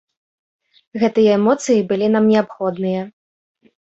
Гэтыя эмоцыі былі нам неабходныя.